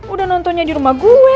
udah nontonnya di rumah gue